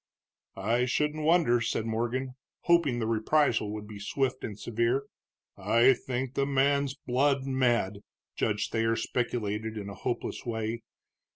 "I shouldn't wonder," said Morgan, hoping the reprisal would be swift and severe. "I think the man's blood mad," Judge Thayer speculated, in a hopeless way.